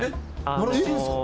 鳴らしていいんですか？